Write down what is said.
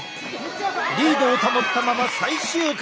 リードを保ったまま最終回！